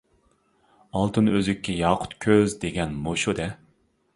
«ئالتۇن ئۈزۈككە، ياقۇت كۆز» دېگەن مۇشۇ-دە.